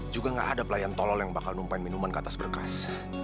juga gak ada pelayan tolol yang bakal numpain minuman ke atas berkas